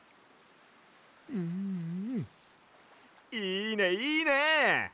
うんうんいいねいいね！